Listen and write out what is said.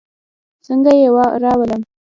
څنګه يې راوړم.